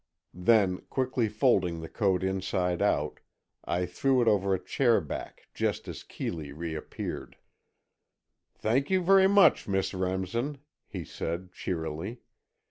Then, quickly folding the coat inside out, I threw it over a chair back just as Keeley reappeared. "Thank you very much, Miss Remsen," he said, cheerily.